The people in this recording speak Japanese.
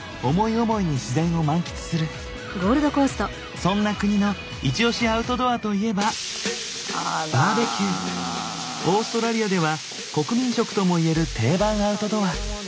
そんな国のイチオシアウトドアといえばオーストラリアでは国民食ともいえる定番アウトドア。